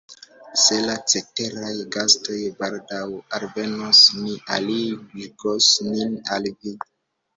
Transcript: Se la ceteraj gastoj baldaŭ alvenos, ni aligos nin al vi.